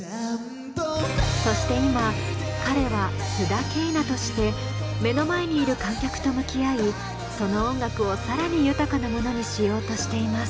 そして今彼は須田景凪として目の前にいる観客と向き合いその音楽を更に豊かなものにしようとしています。